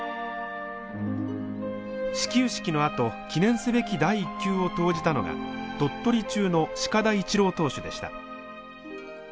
始球式のあと記念すべき第１球を投じたのが鳥取中の鹿田一郎投手でした。